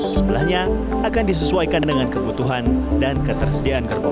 jumlahnya akan disesuaikan dengan kebutuhan dan ketersediaan gerbong